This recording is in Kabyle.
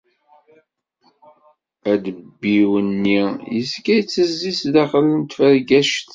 Adebbiw-nni yezga itezzi sdaxel n tfergact-is.